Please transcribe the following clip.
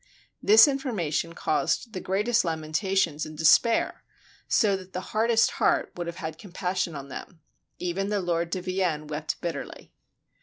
This information caused the great est lamentations and despair; so that the hardest heart would have had compassion on them ; even the Lord de Vienne wept bitterly.